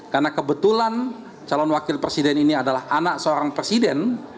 karena kebetulan calon wakil presiden ini adalah anak seorang presiden